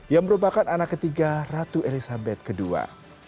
yang merupakan anak ketiga ratu elizabeth ii